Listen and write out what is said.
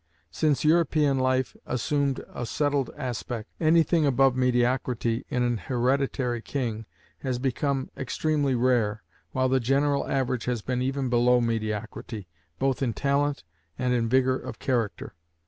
Since European life assumed a settled aspect, any thing above mediocrity in an hereditary king has become extremely rare, while the general average has been even below mediocrity, both in talent and in vigor of character.